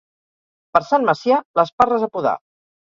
Per Sant Macià, les parres a podar.